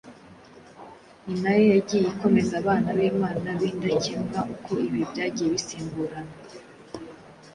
ni nayo yagiye ikomeza abana b’Imana b’indakemwa uko ibihe byagiye bisimburana.